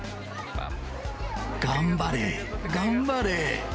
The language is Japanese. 頑張れ、頑張れ。